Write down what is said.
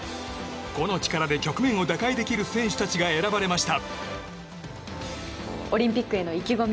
個の力で局面を打開できる選手たちが選ばれました。